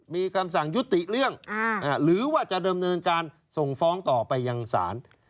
มีคำสั่งยุติเรื่องหรือว่าจะเดิมเนินการส่งฟ้องต่อไปยังศาล